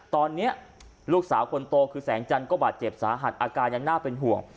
ตอนนี้ลูกสาวคนโตคือแสงจันทร์ก็บาดเจ็บสาหัสอาการยังน่าเป็นห่วง